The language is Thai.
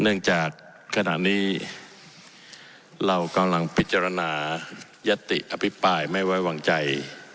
เนื่องจากขณะนี้เรากำลังพิจารณายติอภิปรายไม่ไว้วางใจ